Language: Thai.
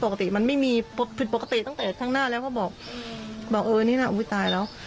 ปกติมันไม่มีผิดปกติตั้งแต่ข้างหน้าแล้วก็บอกบอกเออนี่น่ะอุ้ยตายแล้ว